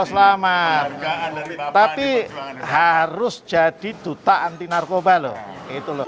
selamat tapi harus jadi duta anti narkoba loh itu loh